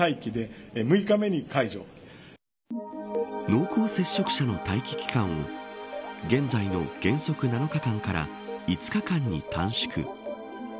濃厚接触者の待機期間を現在の原則７日間から５日間に短縮。